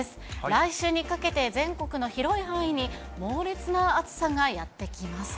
来週にかけて、全国の広い範囲に猛烈な暑さがやって来ます。